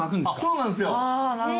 そうなんすよ。